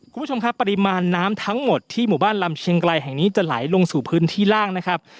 คุณผู้ชมครับปริมาณน้ำทั้งหมดที่หมู่บ้านลำเชียงไกลแห่งนี้จะไหลลงสู่พื้นที่ล่างนะครับ